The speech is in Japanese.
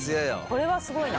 これはすごいな。